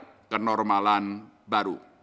kedepan akselerasi pemulihan ekonomi domestik diharapkan